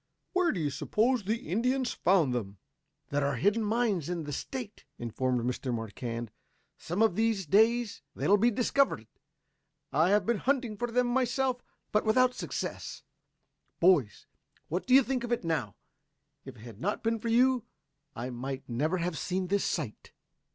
Where do you suppose the Indians found them?" "There are hidden mines in the State," informed Mr. Marquand. "Some of these days they will be discovered. I have been hunting for them myself, but without success. Boys, what do you think of it now? If it had not been for you I might never have seen this sight."